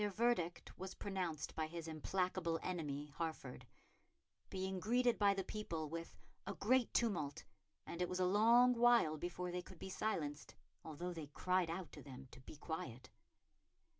Their verdict was pronounced by his implacable enemy, Hertford; being greeted by the people with "a great tumult, and it was a long while before they could be silenced, although they cried out to them to be quiet."